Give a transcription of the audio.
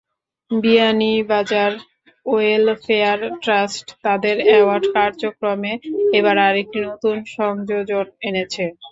Beanibazar welfare trust তাদের award কার্যক্রমে এবার আরেকটি নতুন সংযোজন এনেছে।